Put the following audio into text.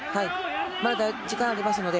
まだ時間がありますので。